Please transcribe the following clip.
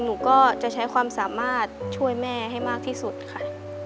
หนูก็จะใช้ความสามารถช่วยแม่ให้มากที่สุดค่ะ